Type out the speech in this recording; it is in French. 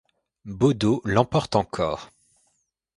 Baudot l'emporte encore.